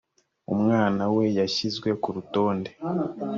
umwana we yashyizwe ku rutonde